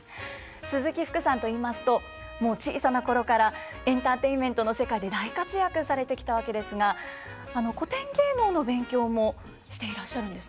鈴木福さんといいますともう小さな頃からエンターテインメントの世界で大活躍されてきたわけですが古典芸能の勉強もしていらっしゃるんですね。